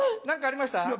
何かありました？